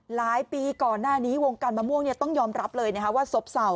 หลายปีก่อนหน้านี้วงการมะม่วงต้องยอมรับเลยว่าซบเศร้า